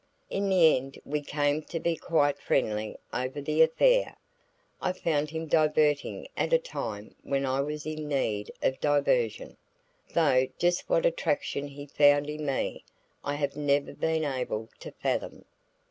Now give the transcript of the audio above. In the end we came to be quite friendly over the affair. I found him diverting at a time when I was in need of diversion, though just what attraction he found in me, I have never been able to fathom.